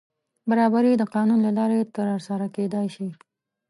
برابري د قانون له لارې تر سره کېدای شي.